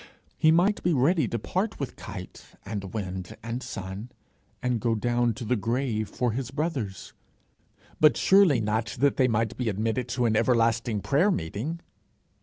He might be ready to part with kite and wind and sun, and go down to the grave for his brothers but surely not that they might be admitted to an everlasting prayer meeting!